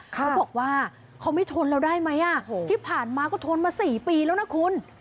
เขาบอกว่าเขาไม่ทนเราได้ไหมที่ผ่านมาก็ทนมา๔ปีแล้วนะคุณ